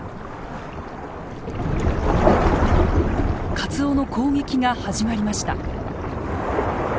カツオの攻撃が始まりました。